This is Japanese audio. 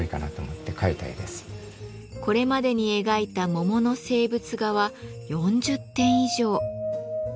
これまでに描いた桃の静物画は４０点以上。